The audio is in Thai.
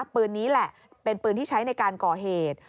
ปืนนี้แหละเป็นปืนที่ใช้ในการก่อเหตุ